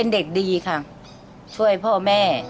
ดีค่ะช่วยพ่อแม่